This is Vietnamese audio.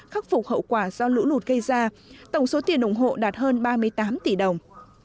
khắc phục hậu quả do lũ lụt gây ra tổng số tiền ủng hộ đạt hơn ba mươi tám tỷ đồng